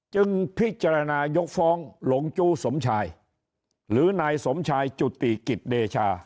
จึงพิจารณายกฟ้องหลงจู้สมชายหรือนายสมชายจุติกิจเดชา